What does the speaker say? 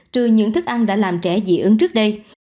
trừ những thức ăn đã làm trẻ dị ứng trước đây